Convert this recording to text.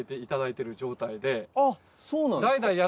あっそうなんですか。